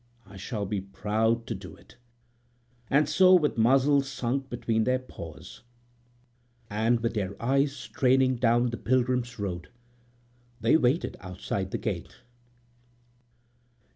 "I shall be proud to do it." And so with muzzles sunk between their paws, and with their eyes straining down the pilgrims' road, they wait outside the gate.